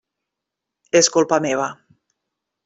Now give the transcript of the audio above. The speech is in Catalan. És culpa meva.